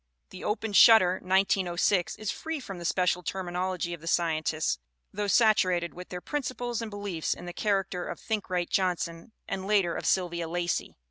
The Opened Shutters (1906) is free from the special terminology of the Scientists, though satu rated with their principles and beliefs in the charac ter of Thinkright Johnson and later of Sylvia Lacey.